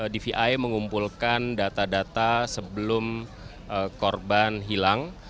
di vi mengumpulkan data data sebelum korban hilang